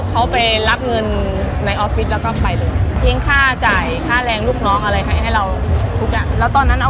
เอาเงินจากไหนมาให้ลูกน้อง